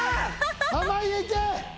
濱家いけ！